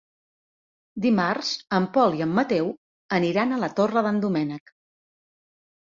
Dimarts en Pol i en Mateu aniran a la Torre d'en Doménec.